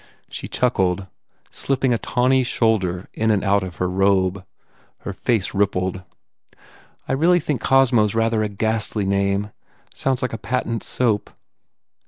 She chuckled, slipping a tawny shoulder in and out of her robe. Her face rippled, "I really think Cosmo s a rather ghastly name. Sounds like a patent soup.